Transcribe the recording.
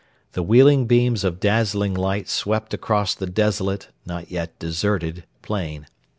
The wheeling beams of dazzling light swept across the desolate, yet not deserted, plain.